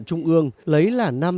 nhưng ở việt nam